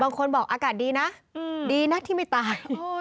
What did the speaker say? บางคนบอกอากาศดีนะดีนะที่ไม่ตาย